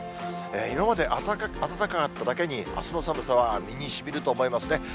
今まで暖かかっただけに、あすの寒さは身にしみると思いますね。